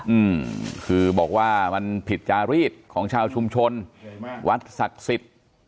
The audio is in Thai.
อืมคือบอกว่ามันผิดจารีดของชาวชุมชนวัดศักดิ์สิทธิ์